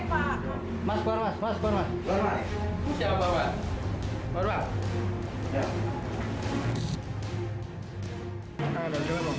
tidak saya pakai pak mas mas mas mas